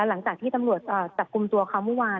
หลังจากที่ตำรวจจับกลุ่มตัวเขาเมื่อวาน